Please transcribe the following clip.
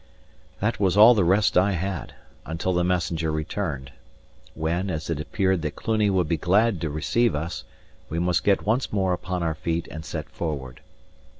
That was all the rest I had, until the messenger returned; when, as it appeared that Cluny would be glad to receive us, we must get once more upon our feet and set forward.